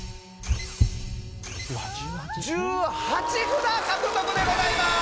１８札獲得でございます！